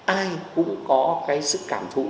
ai cũng có cái sự cảm thụ